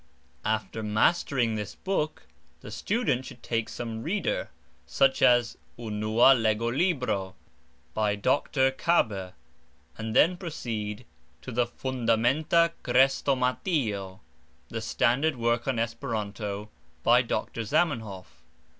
After mastering this book the student should take some reader, such as "Unua Legolibro," by Dr. Kabe, and then proceed to the "Fundamenta Krestomatio," the standard work on Esperanto, by Dr. Zamenhof.